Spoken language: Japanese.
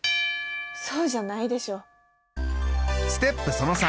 そうじゃないでしょ。